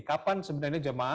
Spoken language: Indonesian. kapan sebenarnya jemaah